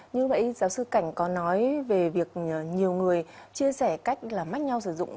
như lúc nãy giáo sư cảnh có nói về việc nhiều người chia sẻ cách làm mắt nhau sử dụng